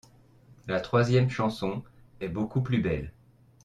La troisième chanson est beaucoup plus belle.